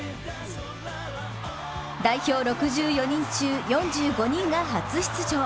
代表６４人中４５人が初出場。